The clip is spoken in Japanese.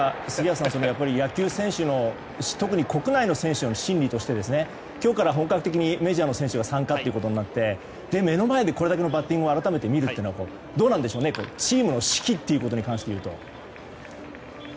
野球選手の特に国内の選手の心理として今日から本格的にメジャーの選手が参加となって目の前で、これだけのバッティングを見るというのはチームの士気ということに関していうと。